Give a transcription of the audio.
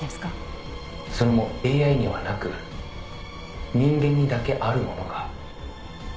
「それもＡＩにはなく人間にだけあるものが」